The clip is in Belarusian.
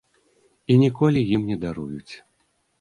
І ніколі ім не даруюць.